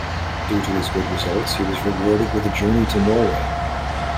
Due to his good results, he was rewarded with a journey to Norway.